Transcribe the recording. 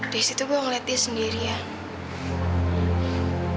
di situ gue ngeliat dia sendirian